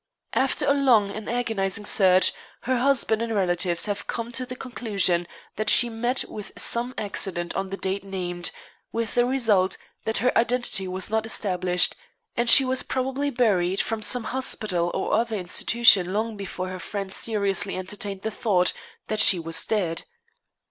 After a long and agonizing search, her husband and relatives have come to the conclusion that she met with some accident on the date named, with the result that her identity was not established, and she was probably buried from some hospital or other institution long before her friends seriously entertained the thought that she was dead.